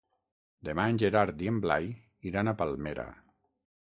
Demà en Gerard i en Blai iran a Palmera.